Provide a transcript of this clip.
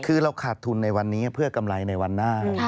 คือเราขาดทุนในวันนี้เพื่อกำไรในวันหน้า